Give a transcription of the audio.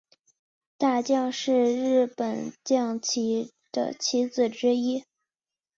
大将是日本将棋的棋子之一。